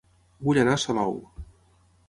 Vull anar a Salou